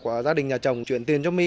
của gia đình nhà chồng chuyển tiền cho my